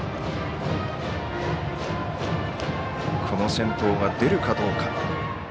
この先頭が出るかどうか。